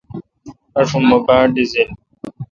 آشم مہ باڑ ڈزیل۔